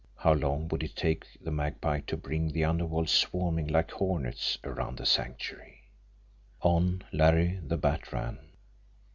How long would it take the Magpie to bring the underworld swarming like hornets around the Sanctuary? On Larry the Bat ran.